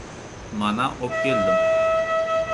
— Mana, obkeldim!